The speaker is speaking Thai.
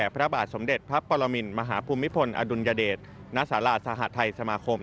พระปรมินทร์มหาภูมิพลอดุลยเดชณศาลาสหรัฐไทยสมาคม